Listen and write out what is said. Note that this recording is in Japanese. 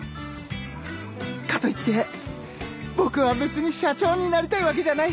かといって僕は別に社長になりたいわけじゃない。